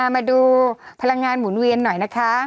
มาดูพลังงานหมุนเวียนหน่อยนะคะ